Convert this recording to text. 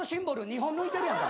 ２本抜いてるやんか。